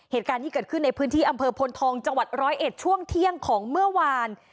เหตุการณ์ที่เกิดขึ้นในพื้นที่อำเภอพลทองจังหวัดร้อยเอ็ดช่วงเที่ยงของเมื่อวาน